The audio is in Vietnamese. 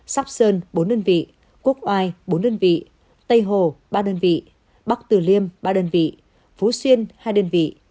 sóc sơn bốn đơn vị quốc oai bốn đơn vị tây hồ ba đơn vị bắc tử liêm ba đơn vị phú xuyên hai đơn vị